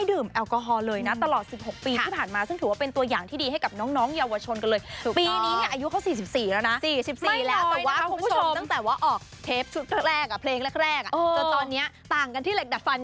ถูกต้องต้องบอกว่าหน้าตาทรงผมที่ขั้นผมแทบจะเหมือนเดิมทุกอย่างเลยนะคะ